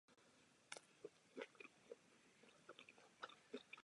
V usedlosti sídlí jezdecký klub.